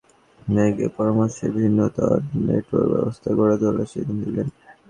পরবর্তী সময়ে একজন নেটওয়ার্ক ইঞ্জিনিয়ারের পরামর্শে ভিন্নতর নেটওয়ার্কব্যবস্থা গড়ে তোলার সিদ্ধান্ত নিলেন।